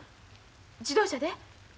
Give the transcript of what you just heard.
自動車で？